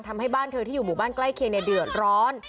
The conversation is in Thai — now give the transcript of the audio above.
ทำให้บ้านเธอที่อยู่หมู่บ้านใกล้เคียงเดือดร้อน